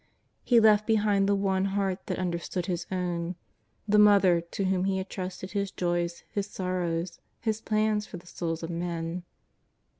He left behind the one heart that understood His own, the Mother to whom He had trusted His joys, His sorrows. His plans for the Bouls of men.